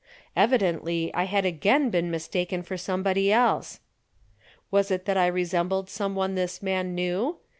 Evidently I had again been mistaken for somebody else. Was it that I resembled someone this man knew?